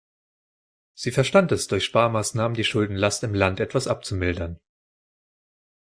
Sie verstand es durch Sparmaßnahmen die Schuldenlast im Land etwas abzumildern.